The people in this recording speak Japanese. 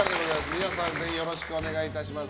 皆さん、ぜひよろしくお願いいたします。